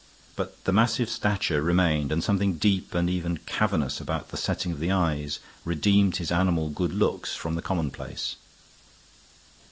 But the massive stature remained, and something deep and even cavernous about the setting of the eyes redeemed his animal good looks from the commonplace.